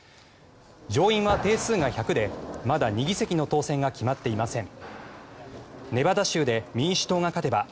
上院は定数が１００でまだ２議席の当選が決まっていません。